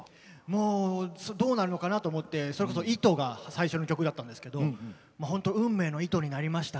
もうどうなるのかなと思ってそれこそ「糸」が最初の曲だったんですけどほんと運命の糸になりましたね。